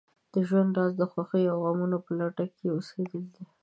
د ژوند راز د خوښیو او غمو په لټه کې اوسېدل دي.